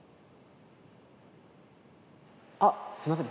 あっすいません。